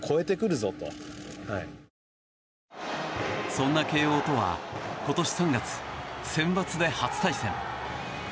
そんな慶應とは今年３月、センバツで初対戦。